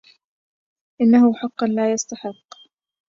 إنه حقاً لا يستحق